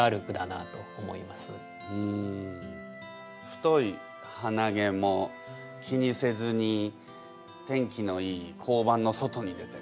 太いはなげも気にせずに天気のいい交番の外に出てこう。